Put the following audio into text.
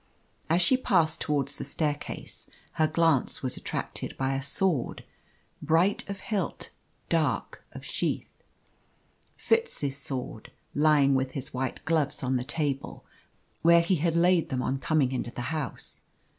As she passed towards the staircase, her glance was attracted by a sword, bright of hilt, dark of sheath. Fitz's sword, lying with his white gloves on the table, where he had laid them on coming into the house.